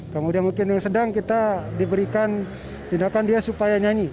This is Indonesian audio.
kemudian mungkin yang sedang kita diberikan tindakan dia supaya nyanyi